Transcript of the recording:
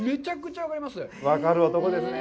分かる男ですねえ。